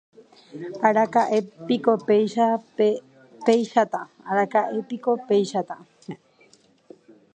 araka'epevépiko péichata